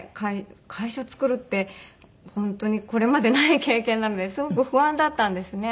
会社作るって本当にこれまでない経験なのですごく不安だったんですね。